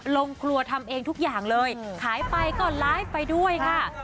ลงครัวทำเองทุกอย่างเลยขายไปก็ไลฟ์ไปด้วยค่ะ